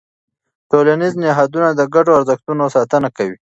ټولنیز نهادونه د ګډو ارزښتونو ساتنه کوي.